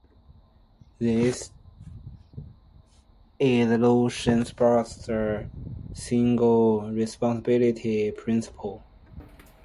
This isolation supports the Single responsibility principle.